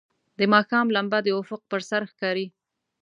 د ماښام لمبه د افق پر سر ښکاري.